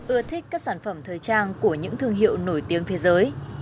ưa thích các sản phẩm thời trang của những thương hiệu nổi tiếng thế giới